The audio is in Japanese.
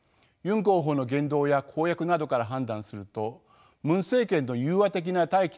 ユン候補の言動や公約などから判断するとムン政権の宥和的な対